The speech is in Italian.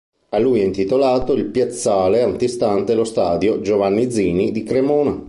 A lui è intitolato il piazzale antistante lo stadio "Giovanni Zini" di Cremona.